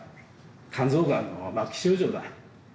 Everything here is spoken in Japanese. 肝臓がんの末期症状だ。